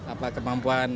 apa kemampuan tni sekarang